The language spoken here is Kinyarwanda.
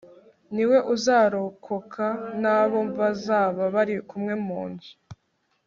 ni we uzarokoka n'abo bazaba bari kumwe mu nzu